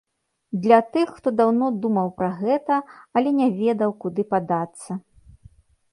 Для тых, хто даўно думаў пра гэта, але не ведаў, куды падацца.